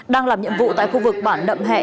đang làm nhiệm vụ tại khu vực bản nậm hẹ